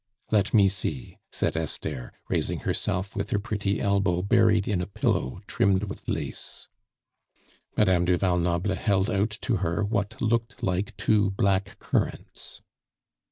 "Let me see," said Esther, raising herself with her pretty elbow buried in a pillow trimmed with lace. Madame du Val Noble held out to her what looked like two black currants.